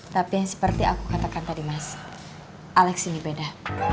tapi seperti aku katakan tadi mas alex ini beda